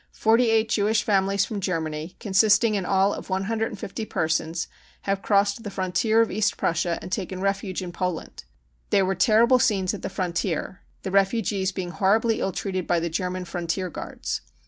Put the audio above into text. Forty eight Jewish families from Germany, consisting in all of 1 50 persons, have crossed the frontier of East Prussia and taken refuge in Poland. There were terrible scenes at the frontier, the refugees being horribly ill treated by the German frontier guards.